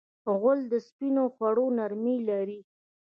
غول د سپینو خوړو نرمي لري.